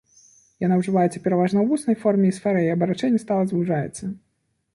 Яна ўжываецца пераважна ў вуснай форме, і сфера яе абарачэння стала звужаецца.